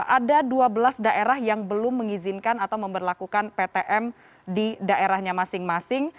ada dua belas daerah yang belum mengizinkan atau memperlakukan ptm di daerahnya masing masing